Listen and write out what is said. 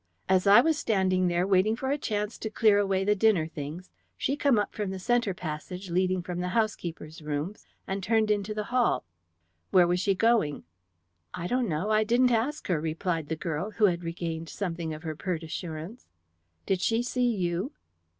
"As I was standing there waiting for a chance to clear away the dinner things, she come up from the centre passage leading from the housekeeper's rooms, and turned into the hall." "Where was she going?" "I don't know. I didn't ask her," replied the girl, who had regained something of her pert assurance. "Did she see you?"